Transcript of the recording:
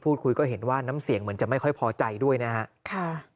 พูดคุยก็เห็นว่าน้ำเสียงเหมือนจะไม่ค่อยพอใจด้วยนะฮะค่ะ